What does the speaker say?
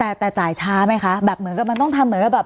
แต่แต่จ่ายช้าไหมคะแบบเหมือนกับมันต้องทำเหมือนกับแบบ